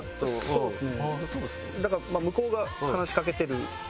そうですね。